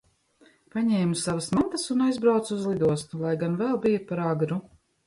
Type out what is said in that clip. Paņēmu savas mantas un aizbraucu uz lidostu, lai gan vēl bija par agru.